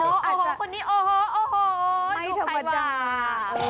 โอ้โหคนนี้โอ้โหไม่ธรรมดา